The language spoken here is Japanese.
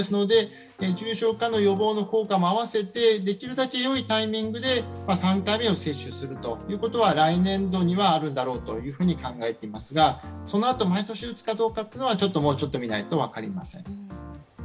重症化の予防の効果もあわせてできるだけよいタイミングで３回目を接種するということは来年度にはあると考えていますがそのあと、毎年打つかどうかというのはもうちょっと見ないと分かりません。